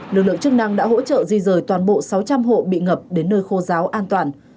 lực lượng chức năng đã hỗ trợ di rời toàn bộ sáu trăm linh hộ bị ngập đến nơi khô giáo an toàn